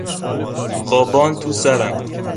خواباند تو سرم